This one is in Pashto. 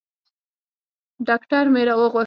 ډاکتر مې راوغوښت.